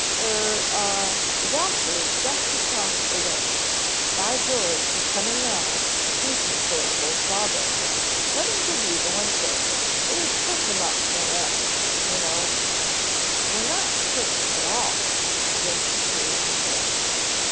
"Er, ah, the doctor is just across the way. By George, he's coming now. Decent sort of old sawbones. Let him give you the once over, it will perk him up no end, you know " "We're not hurt at all," Jim assured his host.